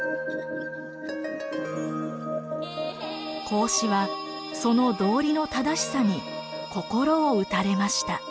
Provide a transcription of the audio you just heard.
孔子はその道理の正しさに心を打たれました。